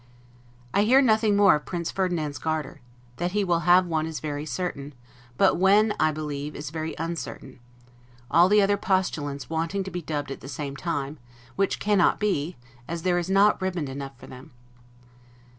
I hear nothing more of Prince Ferdinand's garter: that he will have one is very certain; but when, I believe, is very uncertain; all the other postulants wanting to be dubbed at the same time, which cannot be, as there is not ribband enough for them.